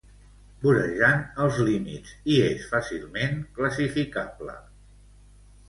Vorejant els límits', i és fàcilment classificable.